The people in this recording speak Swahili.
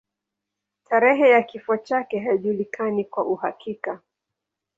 Tarehe ya kifo chake haijulikani kwa uhakika.